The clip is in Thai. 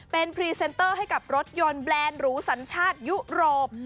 เป็นพรีเซนเตอร์ให้กับรถยนต์แบรนด์หรูสัญชาติยุโรป